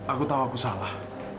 aku tahu aku salah